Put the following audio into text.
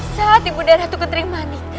saat ibunda ratu kentrimanik